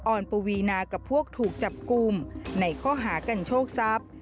อนปวีนากับพวกถูกจับกลุ่มในข้อหากันโชคทรัพย์